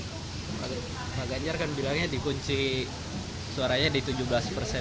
pak ganjar kan bilangnya dikunci suaranya di tujuh belas persen